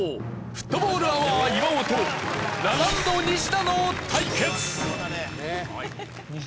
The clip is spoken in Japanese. フットボールアワー岩尾とラランドニシダの対決。